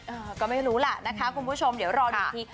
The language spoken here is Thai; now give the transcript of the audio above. เออก็ไม่รู้ล่ะนะคะคุณผู้ชมเดี๋ยวรอดูอีกที